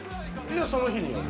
その日による。